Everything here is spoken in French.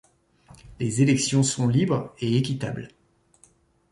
Les élections sont libres et équitables.